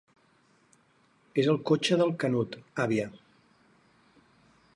És el cotxe del Canut, àvia.